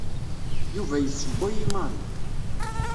Yuba yessewway i Mary.